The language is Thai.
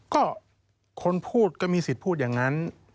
ก็คนพูดก็มีสิทธิ์พูดอย่างนั้น